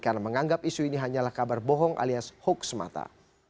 karena menganggap isu ini hanyalah kabar bohong alias hoax mata